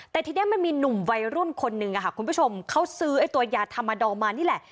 แต่ทีนี้มันมีหนุ่มวัยรุ่นคนหนึ่งค่ะคุณผู้ชมเขาซื้อไอ้ตัวยาธรรมดอลมานี่แหละ